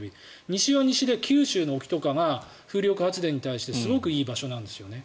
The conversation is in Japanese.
西は西で九州の沖とかが風力発電とかにすごくいい場所なんですよね。